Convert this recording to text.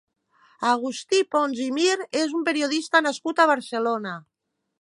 Agustí Pons i Mir és un periodista nascut a Barcelona.